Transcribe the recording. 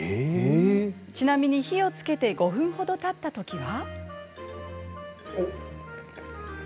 ちなみに、火をつけて５分ほどたったときは。